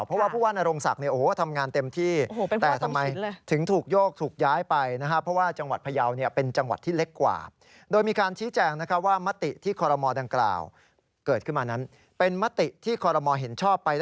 เพราะว่าผู้ว่านโรงศักดิ์ทำงานเต็มที่